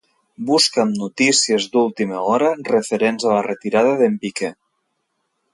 Busca'm notícies d'última hora referents a la retirada d'en Piqué.